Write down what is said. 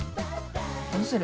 どうする？